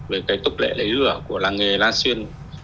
về cái túc lễ lấy rửa của làng nghề la xuyên